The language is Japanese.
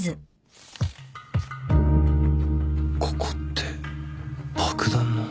ここって爆弾の